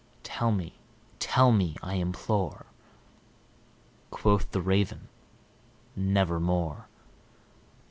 tell me tell me, I implore!" Quoth the Raven, "Nevermore."